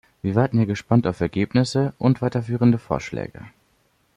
Wir warten hier gespannt auf Ergebnisse und weiterführende Vorschläge.